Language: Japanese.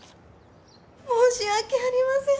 申し訳ありません。